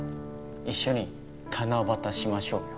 一緒に七夕しましょうよ。